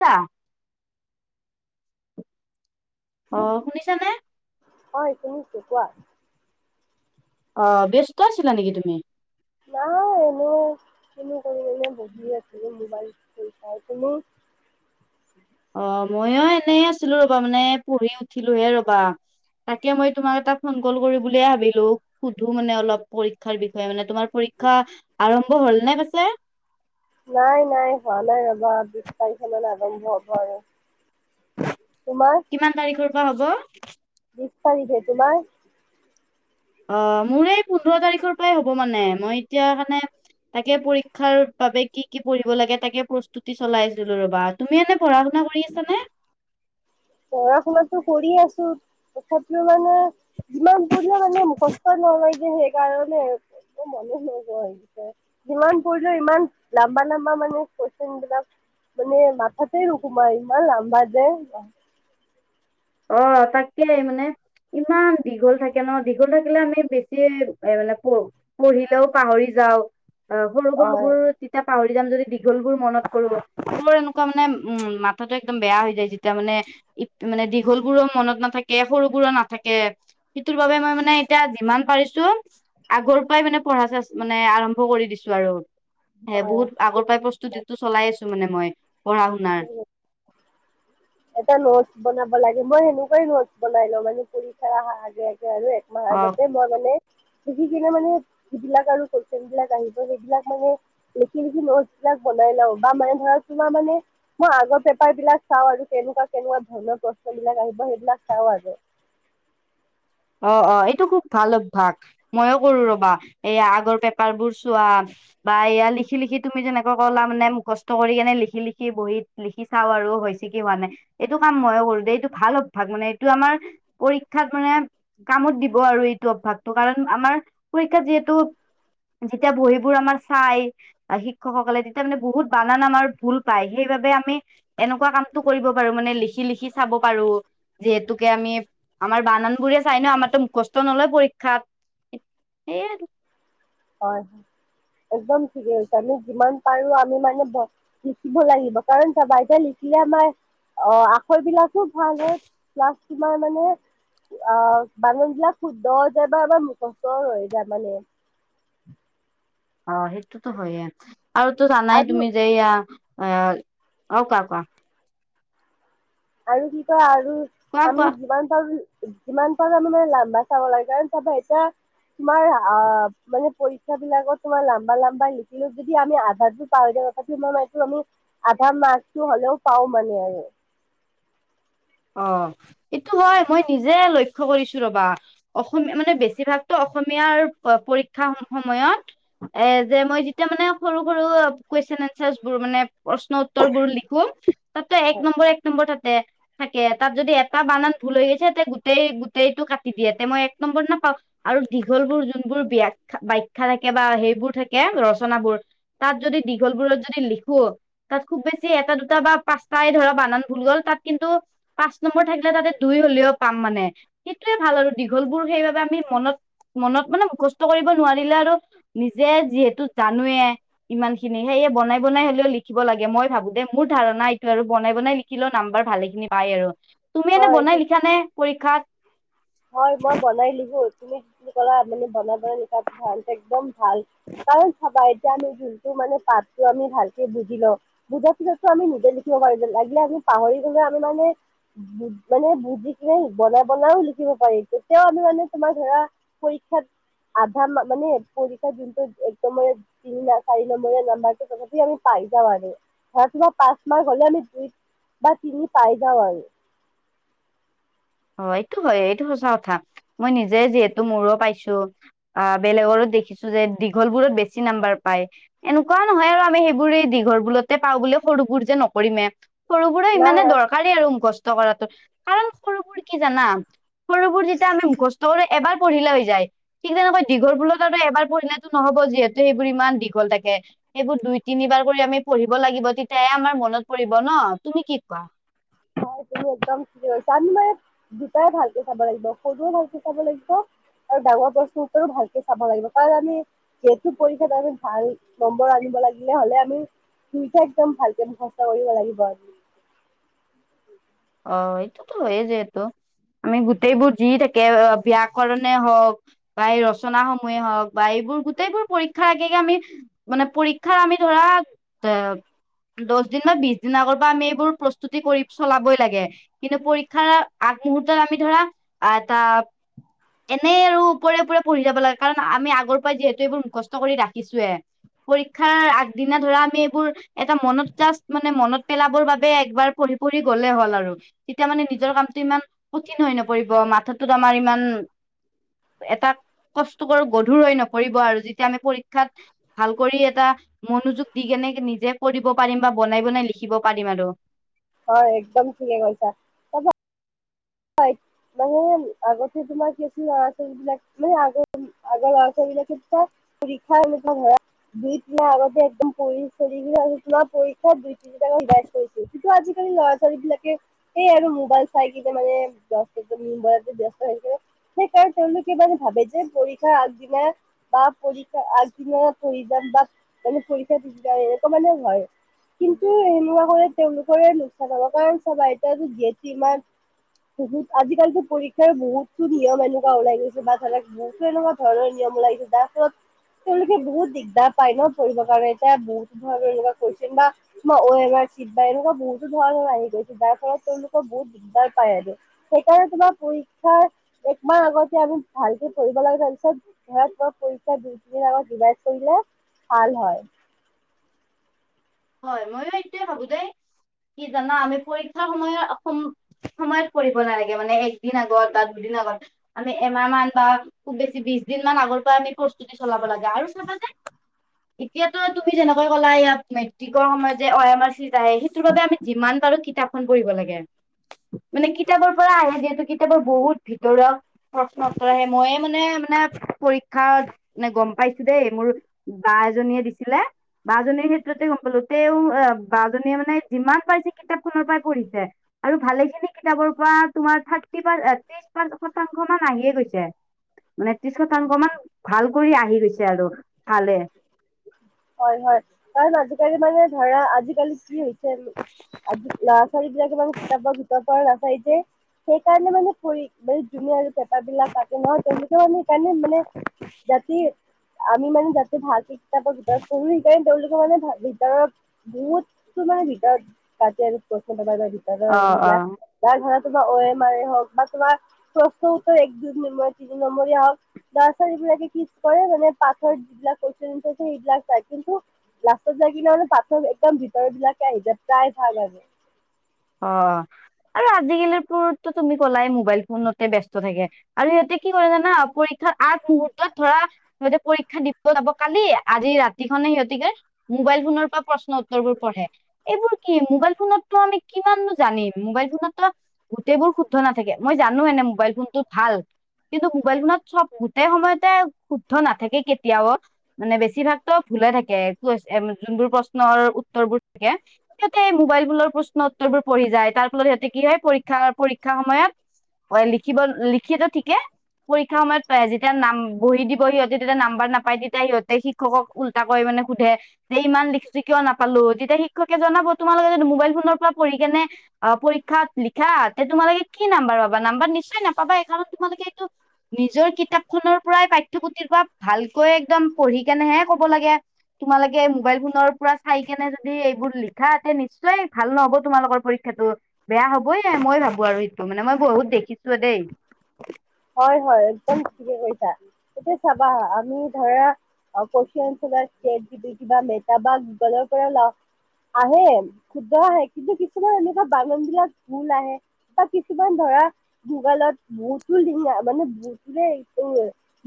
কা অ শুনিছানে? হয় শুনিছো কোৱা? অ ব্যস্ত আছিলা নেকি তুমি? নাই এনে চিনি কৰিনে বহি আছিল মোবাইল চাই। তুমি? অ মইও এনেই আছিলো ৰবা মানে পঢ়ি উঠিলোহে ৰবা! তাকে মই তোমাক এটা ফোন কল কৰি বুলিয়ে ভাবিলো, সুধো মানে অলপ পৰীক্ষাৰ বিষয়ে মানে তোমাৰ পৰীক্ষা আৰম্ভ হল নে পাছে। নাই নাই হোৱা নাই ৰবা বিশ তাৰিখ মানে আৰম্ভ হ'ব আৰু তোমাৰ কিমান তাৰিখৰ পৰা হ'ব? বিশ তাৰিখে তোমাৰ? অ মোৰ এই পোন্ধৰ তাৰিখৰ পৰাই হ'ব মানে মই এতিয়া মানে তাকে পৰীক্ষাৰ বাবে কি কি পঢ়িব লাগে তাকে প্ৰস্তুতি চলাইছিলো ৰ'বাত। তুমি এনেই পঢ়া শুনা কৰি আছা নে? পঢ়া শুনাটো কৰি আছো তথাপিও মানে যিমান পঢ়িলোঁ মানে মুখষ্ট নলয় যে সেইকাৰণে একো মনে নোযোৱা হৈছে। যিমান পঢ়িলোঁ ইমান লাম্বা লম্বা মানে কোৱেচন বিলাক। মানে মাথাতে নোসোমাই ইমান লম্বা যে। অ তাকেই মানে ইমান দীঘল থাকে ন দীঘল থাকিলে আমি বেছি এ মানে প পঢ়িলেও পাহৰি যাওঁ অ সৰু হয় সৰুবোৰ তেতিয়া পাহৰি যাম যদি দীঘল বোৰ মনত কৰো, মোৰ এনেকুৱা মানে উম মথাটো একদম বেয়া হৈ যায় যেতিয়া মানে ইফ মানে দিপ ভোলবোৰো মনত নাথাকে সৰুবোৰ নাথাকে সেইটোৰ বাবে মই মানে এতিয়া যিমান পাৰিছো আগৰ পৰাই মানে পঢ়া চেচ মানে আৰম্ভ কৰি দিছো আৰু সে বহুত আগৰ পৰাই প্ৰস্তুতিটো চলাই আছো মানে মই পঢ়া শুনাৰ হয় এটা নোট বনাব লাগে মই সেনেকুৱাই নটচ‌ বনাই লওঁ মানে পৰীক্ষা অহাৰ আগে আগে আৰু মই অ আগতে মই মানে শিকি কিনে মানে যিবিলাক আৰু কোৱেচন বিলাক আহিব সেইবিলাক মানে লিখি লিখি নোট বিলাক বনাই লও বা মানে ধৰক তোমাৰ মানে মই আগৰ পেপাৰ বিলাক চাওঁ আৰু কেনেকুৱা কেনেকুৱা ধৰিলক প্ৰশ্ন বিলাক আহিব সেইবিলাক চাওঁ আৰু অ অ এইটো খুব ভাল অভ্যাস মইও কৰো ৰবা এইয়া আগৰ পেপাৰ বোৰ চোৱা বা ইয়াৰ লিখি লিখি তুমি যেনেকৈ ক'লা মানে মুখষ্ঠ কৰি কেনে লিখি লিখি বহীত লিখি চাওঁ আৰু হৈছে কি হোৱা নাই এইটো কাম মইয়ো কৰো দেই এইটো ভাল অভ্যাস মানে এইটো আমাৰ পৰীক্ষা মানে কামত দিব আৰু এইটো অভ্যাসটো কাৰণ আমাৰ পৰীক্ষাত যিহেতু যেতিয়া বহী বোৰ আমাৰ চাই শিক্ষকসকলে তেতিয়ামানে বহুত বানান আমাৰ ভুল পায় সেইবাবে আমি এনেকুৱা কামটো কৰিব পাৰো মানে লিখি লিখি চাব পাৰো যিহেতুকে আমি আমাৰ বানান বোৰে চাই ন আমাৰ টো মুখষ্ঠ নলয় পৰীক্ষাত সেই আৰু হয় হয় একদম ঠিকে হৈছে আমি যিমান পাৰো আমি মানে লিখিব লাগিব কাৰণ চাবা এতিয়া লিখিলে আমাৰ অ আখৰ বিলাক খুব ভাল হয়। প্লাছ তোমাৰ মানে অ বানান বিলাক শুদ্ধ হৈ যায় বা আমাৰ মুখস্থ হৈ যায় মানে অ সেইটোতো হয়য়ে আৰুতো জানাই আৰু তুমি যে ইয়া অ অ কোৱা কোৱা আৰু কি কয় আৰু কোৱা আমি কোৱা যিমান পাৰো যিমান পাৰো আমি মানে লাম্বা চাব লাগে কাৰণ চাবা এতিয়া তোমাৰ অ মানে পৰীক্ষা বিলাকত তোমাৰ লাম্বা লাম্বা লিখিলো যদি আমি আধাৰতো পাই যাওঁ আজীৱন এইটো আমি আধা মাৰ্কটো হলেও পাও মানে আৰু অ এইটো হয় মই নিজে লক্ষ্য কৰিছো ৰবা অসমীয়া মানে বেছিভাগতো অসমীয়াৰ পৰীক্ষা সম সময়ত এ যে মই যেতিয়া মানে সৰু সৰু কুৱেশন এনচাৰ্চ বোৰ মানে প্ৰশ্ন উত্তৰ বোৰ লিখো তাতো এক নম্বৰ এক নম্বৰ তাতে থাকে তাত যদি এটা বানান ভুল হৈ গৈছে তে গোটেই গোটেইটো কাটি দিয়ে তেতিয়া মই এক নম্বৰ নাাপাওঁ আৰু দীঘলবোৰ যোনবোৰ ব্যখ্যা ব্যাখ্যা থাকে বা সেইবোৰ থাকে ৰচনাবোৰ তাত যদি দীঘলবোৰত যদি লিখো তাত খুব বেছি এটা দুটা বা পাঁচটাই ধৰা বানান ভুল হ'ল তাত কিন্তু পাঁচ নম্বৰ থাকিলে তাতে দুই হ'লেও পাম মানে সেইটোৱে ভাল আৰু দীঘলবোৰ সেইবাবে আমি মনত মনত মানে মুখস্থ কৰিব নোৱাৰিলে আৰু নিজে যিহেতু জানোৱে ইমান খিনি সেয়ে বনাই বনাই হলেও লিখিব লাগে মই ভাবো দে মোৰ ধাৰণা এইটো আৰু বনাই বনাই লিখিলেও নাম্বাৰ ভালে পাই আৰু তুমি এনে হয় বনাই এইটো লিখানে পৰীক্ষাত? হয় মই বনাই লিখো, তুমি যিখিনি কলা মানে বনাব ভাল একদম ভাল কাৰণ চাবা তেতিয়া আমি যোনটো মানে পাতটো আমি ভালকে বুজি লওঁ। বুজা পিছাততো আমি নিজে লিখিব পাৰিম লাগিলে আমি পাহৰি গলেও আমি মানে মানে বুজি কিনে বনাই বনাই দিব পাৰি তেতিয়াও আমি মানে তোমাৰ ধৰা পৰীক্ষাত আধা মা মানে পৰীক্ষা যোনটো একদম মানে তিনি চাৰি নাম্বাৰ নাম্বাৰটো তথাপি আমি পাই যাওঁ আৰু- ধৰ কিবা পাঁচ মাহ হলে আমি দুই বা তিনি পাই যাওঁ আৰু- অঁ এইটো হয় এইটো সঁচা কথা মই নিজে যিহেতু মোৰো পাইছো। আহ বেলেগৰো দেখিছো যে দীঘল বোৰত বেছি নাম্বাৰ পায়। এনেকোৱাও নহয় আৰু আমি সেইবোৰ দীঘল বোৰতে পাওঁ বুলি সৰুবোৰ যে নকৰিমে। সৰু বোৰে ইমানে নাই দৰকাৰী আৰু মুখস্থ কৰাটো কাৰণ সৰুবোৰ কি জানা সৰুবোৰ যেতিয়া আমি মুখস্থ কৰি এবাৰ পঢ়িলে হৈ যায়। ঠিক তেনেকৈ দীঘলবোৰ আৰু এবাৰ পঢ়িলেতো নহব যিহেতু সেইবোৰ ইমান দীঘল থাকে। সেইবোৰ দুই তিনিবাৰ কৰি আমি পঢ়িব লাগিব তেতিয়াহে আমাৰ মনত পৰিব ন, তুমি কি কোৱা? হয় তুমি একদম চিয়ৰ আমি মানে দুটাই ভালকে চাব লাগিব সৰু ভালকে চাব লাগিব আৰু ডাঙৰ প্ৰশ্নউত্তৰো ভালকে চাব লাগিব কাৰণ আমি যিহেতু পৰীক্ষাত আমি ভাল নম্বৰ আনিব লাগিলে হলে আমি দুুইটা একদম ভালকে মুখস্থ কৰিব লাগিব আৰু- উ [unintelligible] অঁ এইটোতো হয়ে যিহেতু আমি গোটেইবোৰ যি থাকে বিয়াক্যৰণে হওক বা এই ৰচনা সমূহে হওঁক বা এইবোৰ গোটেইবোৰ পৰীক্ষা আগে-আগে আমি মানে পৰীক্ষাৰ আমি ধৰা এ দহ দিন বা বিশ দিনৰ আগৰ পৰা আমি এইবোৰ প্ৰস্তুতি কৰি চলাবই লাগে। কিন্তু পৰীক্ষাৰ আগমহূৰ্তত আমি ধৰা, এটা এনেই আৰু ওপৰে ওপৰে পঢ়ি যাব লাগে কাৰণ আমি আগৰ পৰাই যিহেতু এইবোৰ মুখস্থ কৰি ৰাখিছোয়ে। পৰীক্ষাৰ আগদিনা ধৰা আমি এইবোৰ এটা মনত জাষ্ট মানে মনত পেলাবৰ বাবে একবাৰ পঢ়ি পঢ়ি গ'লে হ'ল আৰু তেতিয়া মানে নিজৰ কামটো ইমান কঠিন হৈ নপৰিব মাথাটোত আমাৰ ইমান এটা কষ্ট কৰ গধুৰ হৈ নপৰিব আৰু যেতিয়া আমি পৰীক্ষাত ভাল কৰি এটা মনোযোগ দি কেনে নিজে কৰিব পাৰিম বা বনাই বনাই লিখিব পাৰিম আৰু- হয় একদম ঠিকে কৈছা। হয় মানে আগতে তোমাৰ কি আছিল ল'ৰা ছোৱলী বিলাক মানে আগ আগৰ ল'ৰা-ছোৱালী বিলাকে। [unintelligible] দুই তিনি মাহ আগতে একদম চ। [unintelligible] কৰিছিল, কিন্তু আজিকালি ল'ৰা-ছোৱালী বিলাকে এই আৰু মোবাইল চাই কিনে মানে [unintelligible] সেই কাৰণ তেওঁলোকে মানে ভাবে যে পৰীক্ষা আগদিনা বা পৰীক্ষা আগদিনা পঢ়ি যাম বা [unintelligible] কিন্তু সেনেকুৱা হ'লে তেওঁলোকৰে লোকচান হ'ব, কাৰণ চাবা এইতো গেত ইমান বহুত, আজিকালিতো পৰীক্ষাৰ বহুতো নিয়ম এনেকুৱা ওলাই গৈছে বা বহুতো এনেকুৱা ঘৰৰে নিয়ম ওলাইছে তাৰপিছত তেওঁলোকে বহুত দিগদাৰ পায় ন' ধৰিবৰ কাৰণে এতিয়া বহুত [unintelligible] কৈছিল বা কিবা অ এ মাৰ চিত বা এনেকুৱা বহুতো ধৰণৰ আহি গৈছে, যাৰ ফলত তেওঁলোকৰ বহুত দিগদাৰ পায় আৰু। সেইকাৰণে তোমাৰ পৰীক্ষা একমাহ আগতে আমি ভালকে পঢ়িব লাগে, তাৰ পিছত ধৰা তোমাৰ পৰীক্ষা দুই তিনিদিন আগত ৰিভাইজ কৰিলে ভাল হয়। হয় ময়ো এইটোৱে ভাবোঁ দেই, কি জানা আমি পৰীক্ষাৰ সময়ত অস সময়ত পৰিব নালাগে মানে একদিন আগত বা দুদিন আগত। আমি এমাহ মান বা খুব বেছি বিশ দিন মান আগৰ পৰা আমি প্ৰস্তুতি চলাব লাগে আৰু চাবা যে এতিয়াতো তুমি যেনেকৈ কলা ইয়াত টিকৰ সময়ত যে অ এম আৰ চিত আহে, সেইটোৰ বাবে আমি যিমান পাৰোঁ কিতাপখন পঢ়িব লাগে। মানে কিতাপৰ পৰা আহে যিহেতু কিতাপৰ বহুত ভিতৰত প্ৰশ্ন উত্তৰ আহে, ময়ে মানে-মানে পৰীক্ষাত গম পাইছোঁ দেই মোৰ বা এজনীয়ে দিছিলে বা জনীৰ ক্ষেত্ৰতে গম বোলো তেওঁ বা জনীয়ে মানে যিমান পাৰিছে কিতাপখনৰ পৰাই পঢ়িছে। আৰু ভালেখিনি কিতাপৰ পৰা তোমাৰ থাৰ্টি পাৰ, ত্ৰিশ মান শতাংশ মান আহিয়ে গৈছে। মানে ত্ৰিশ শতাংশ মান ভাল কৰি আহি গৈছে আৰু চালে। হয়-হয় কাৰণ আজিকালি মানে ধৰা, আজিকালি কি হৈছে আজি ল'ৰা-ছোৱালী বিলাকে ইমান কিতাপৰ ভিতৰৰ পৰা নাচায় যে, সেইকাৰণে মানে পঢ়ি, যোনে আৰু পেপাৰ বিলাক‌ কাটে ন' তেওঁলোকে মানে সেইকাৰণে মানে যাতে আমি মানে যাতে ভাল কিতাপৰ ভিতৰত পঢ়ো সেইকাৰণে তেওঁলোকে মানে ভিতৰত বহুত তোমাৰ ভিতৰত কাটে আৰু কুৱেচন পেপাৰৰ অ [unintelligible] অ এইবিলাক বা ধৰা তোমাৰ অ এম আৰ এ হওক বা তোমাৰ প্ৰশ্ন উত্তৰ এক, দুই, তিনি নম্বৰৰ হওক ল'ৰা-ছোৱালিবিলাকে কি কৰে মানে পাঠৰ যিবিলাক কুৱেচন এনচাৰ আছে সেইবিলাক চায়, কিন্তু লাষ্টত যাই কিনে মানে পাঠৰ একদম ভিতৰৰ বিলাকে আহি যায় প্ৰায ভাগ আৰু। অ' আৰু আজিকালি পুৰাতো তুমি কলাই মোবাইল ফোনতে ব্যস্ত থাকে। আৰু সিহঁতে কি কৰে জানা পৰীক্ষাৰ আগ মুহূৰ্তত ধৰা, সিহঁতে পৰীক্ষা দিব যাব কালি আজি ৰাতি খনে সিহঁতি কয় মোবাইল ফোনৰ পৰা প্ৰশ্ন উত্তৰবোৰ পঢ়ে, এইবোৰ কি মোবাইল ফোনতটো আমি কিমাননো জানিম মোবাইল ফোনতো গোটেইবোৰ শুদ্ধ নাথাকে, মই জানো এনে মোবাইল ফোনটো ভাল। কিন্তু মোবাইল ফোনত চব গোটেই সময়তে শুদ্ধ নাথাকে কেতিয়াও। মানে বেছিভাগতো ভুলে থাকে, একো এচ যোনবোৰ প্ৰশ্নৰ উত্তৰবোৰ থাকে। সিহঁতে মোবাইলবোৰৰ প্ৰশ্ন উত্তৰবোৰ পঢ়ি যায় তাৰ ফলত সিহঁতে কি হয় পৰীক্ষা- পৰীক্ষা সময়ত হয় লিখিব লিখিতো ঠিকে পৰীক্ষা সময়ত পাৰে যেতিয়া নাম বহি দিব, সিহঁতে তেতিয়া নাম্বাৰ নাপাই তেতিয়া সিহঁতে শি শিক্ষকক উল্টা কৰি মানে সুধে যে ইমান লিখিছোঁ কিয় নাপালোঁ, তেতিয়া শিক্ষকে জনাব তোমালোকে যদি মোবাইল ফোনৰ পৰা পঢ়ি কেনে অ' পৰীক্ষাত লিখা তে তোমালোকে কি নাম্বাৰ পাবা, নাম্বাৰ নিশ্চয় নাপাবায়ে কাৰণত তোমালোকে এইটো নিজৰ কিতাপ খনৰ পৰাই পাঠ্যপুথিৰ পৰা ভালকৈ একদম পঢ়ি কেনেহে ক'ব লাগে। তোমালোকে মোবাইল ফোনৰ পৰা চাই কেনে যদি এইবোৰ লিখা তে নিশ্চয় ভাল নহ'ব তোমালোকৰ পৰীক্ষাটো বেয়া হ'বয়ে মই ভাবোঁ আৰু সেইটো মানে মই বহুত দেখিছোঁ দেই। হয়-হয় একদম ঠিকে কৈছা। এইটো চাবা আমি ধৰা [unintelligible] ছেট জি তি কিবা মেটা বা গুগলৰ পৰা ওলাওঁ আহে শুদ্ধ আহে কিন্তু কিছুমান এনেকুৱা বানানবিলাক ভুল আহে। বা কিছুমান ধৰা গুগলত বহুতো মানে বহুতোৰে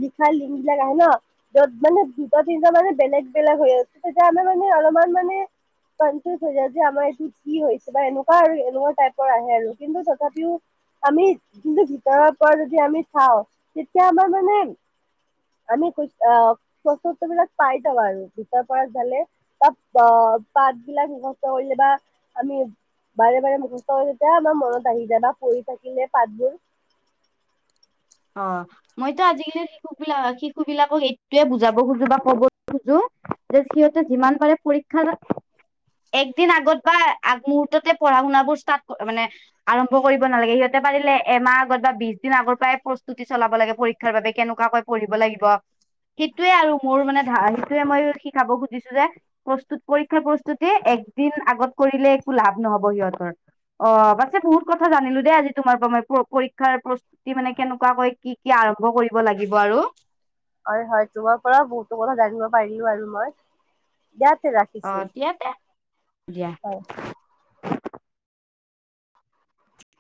লিখা লিংকবিলাক আহে ন'। য'ত মানে দুটা - তিনিটা মানে বেলেগ-বেলেগ হৈ আছে তেতিয়া আমি মানে অলপমান মানে কনফিউজ হৈ যাওঁ যে আমাৰ এইটো কি হৈছে বা এনেকুৱা আৰু এনেকুৱা টাইপৰ আহে আৰু কিন্তু তথাপিও আমি যোনটো ভিতৰৰ পৰা যদি আমি চাওঁ, তেতিয়া আমাৰ মানে আমি কুই অ'প্ৰশ্ন উত্তৰবিলাক পাই যাওঁ আৰু ভিতৰৰ পৰা চালে। তাত আ পাতবিলাক নষ্ট কৰিলে বা আমি বাৰে বাৰে মুখস্থ হয় যেতিয়া আমাৰ মনত আহি যায় বা পৰি থাকিলে পাঠবোৰ অ মইতো আজি-কালি শিশুবিলাক শিশুবিলাকক এইটোৱে বুজাব খোজো বা ক'ব খোজো যে সিহঁতে যিমান পাৰে পৰি ক্ষাৰ একদিন আগত বা আগমহূৰ্ততে পঢ়া-শুনাবোৰ ষ্টাৰ্ট মানে আৰম্ভ কৰিব নালাগে, সিহঁতে পাৰিলে এমাহ আগত বা বিছ দিন আগৰ পৰাই প্ৰচ তুতি চলাব লাগে পৰীক্ষাৰ বাবে কেনেকুৱাকৈ পঢ়িব লাগিব সেইটোৱে আৰু মোৰ মানে ধৰা, সেইটোৱে মই শিকাব খুজিছো যে প্ৰস্তুত পৰীক্ষা প্ৰস্তুতি একদিন আগত কৰিলে একো লাভ নহ'ব সিহঁতৰ। অ পাছে বহুত কথা জানিলো দেই আজি তোমাৰ পৰা মই প পৰীক্ষাৰ প্ৰস্তুতি মানে কেনে কোৱাকৈ কি কি আৰম্ভ কৰিব লাগিব আৰু হয়, হয়। তোমাৰ পৰাও বহুতো কথা জানিব পাৰিলোঁ আৰু মই। দিয়া [unintelligible] অ দিয়া তে, দিয়া। হয়